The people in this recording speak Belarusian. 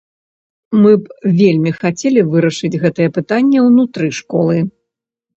Мы б вельмі хацелі вырашыць гэтае пытанне ўнутры школы.